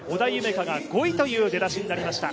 海が５位という出だしになりました。